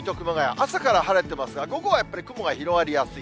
朝から晴れてますが、午後はやっぱり雲が広がりやすい。